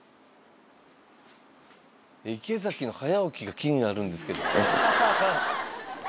池崎の早起きが気になるんですけど。